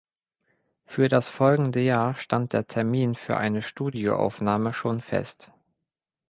Für das folgende Jahr stand der Termin für eine Studioaufnahme schon fest.